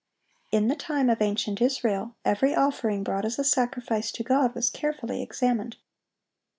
(813) In the time of ancient Israel, every offering brought as a sacrifice to God was carefully examined.